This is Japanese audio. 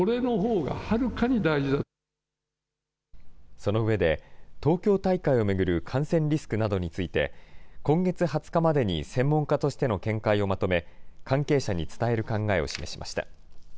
その上で、東京大会を巡る感染リスクなどについて、今月２０日までに専門家としての見解をまとめ、関係者に伝える考えを示しました。